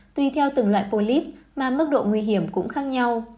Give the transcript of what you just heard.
tuy theo từng loại polip mà mức độ nguy hiểm cũng khác nhau